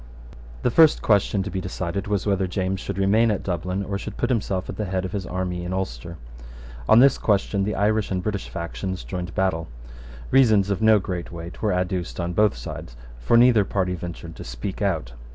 The first question to be decided was whether James should remain at Dublin, or should put himself at the head of his army in Ulster. On this question the Irish and British factions joined battle. Reasons of no great weight were adduced on both sides; for neither party ventured to speak out.